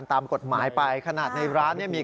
๒๐ตัวครึ่บ๒๐ตัวครึ่บ